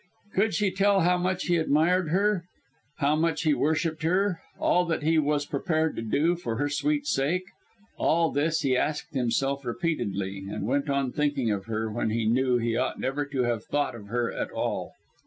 Could she tell how much he admired her? How much he worshipped her? All that he was prepared to do for her sweet sake? All this he asked himself repeatedly, and went on thinking of her when he knew he ought never to have thought of her at all.